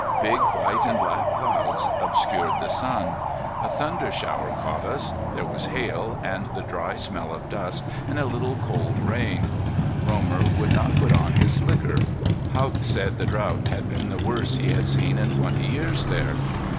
Big white and black clouds obscured the sun. A thunder shower caught us. There was hail, and the dry smell of dust, and a little cold rain. Romer would not put on his slicker. Haught said the drought had been the worst he had seen in twenty years there.